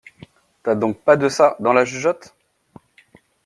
T'as donc pas de ça dans la jugeote!